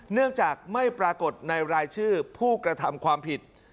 เนื่องจากไม่ปรากฏในรายชื่อผู้กระทำความผิด